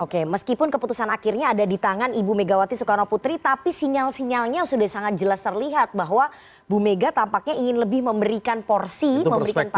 oke meskipun keputusan akhirnya ada di tangan ibu megawati soekarno putri tapi sinyal sinyalnya sudah sangat jelas terlihat bahwa bu mega tampaknya ingin lebih memberikan porsi memberikan pandangan